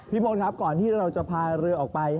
พลครับก่อนที่เราจะพาเรือออกไป